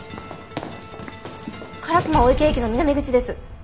烏丸御池駅の南口です。